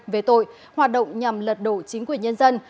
về tội hoạt động nhằm lật đổ chính quyền nhân dân